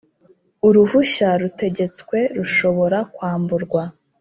Uruhushya rutegetswe rushobora kwamburwa